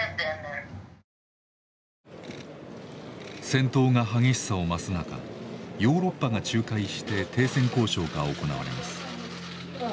戦闘が激しさを増す中ヨーロッパが仲介して停戦交渉が行われます。